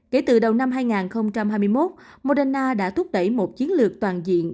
kể từ đầu năm hai nghìn hai mươi một moderna đã thúc đẩy một chiến lược toàn diện